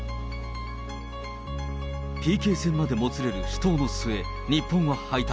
ＰＫ戦までもつれる死闘の末、日本は敗退。